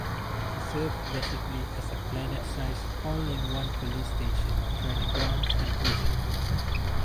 It serves basically as a planet-sized all-in-one police station, training grounds and prison.